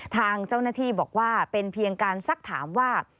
ทางเจ้าหน้าที่บอกว่าเป็นเพียงการซักถามว่า